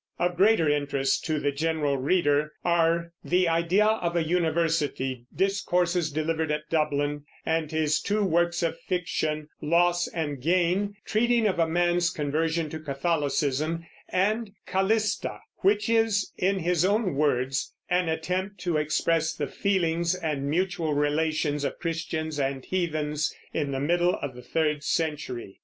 Of greater interest to the general reader are The Idea of a University, discourses delivered at Dublin, and his two works of fiction, Loss and Gain, treating of a man's conversion to Catholicism, and Callista, which is, in his own words, "an attempt to express the feelings and mutual relations of Christians and heathens in the middle of the third century."